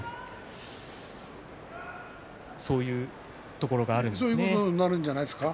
そういうところもあるんでしょうかね。